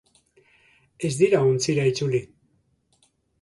Ez dira ontzira itzuli.